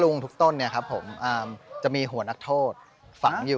ชื่องนี้ชื่องนี้ชื่องนี้ชื่องนี้ชื่องนี้ชื่องนี้